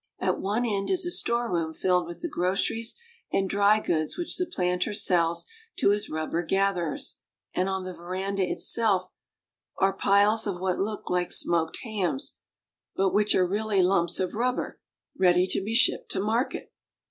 At one end is a storeroom filled with the groceries and dry goods which the planter sells to his rubber gatherers, and on the veranda itself are piles of what look like smoked hams, but which are really lumps of rubber ready to be shipped to market.